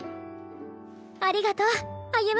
ありがとう歩夢。